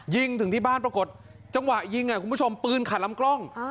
ยิงถึงที่บ้านปรากฏจังหวะยิงคุณผู้ชมปืนขาดลำกล้อง